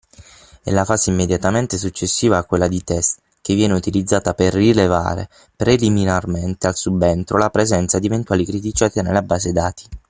È la fase immediatamente successiva a quella di test, che viene utilizzata per rilevare, preliminarmente al subentro, la presenza di eventuali criticità nella base dati.